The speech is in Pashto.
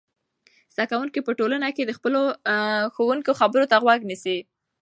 زده کوونکي په ټولګي کې د خپل ښوونکي خبرو ته غوږ نیسي.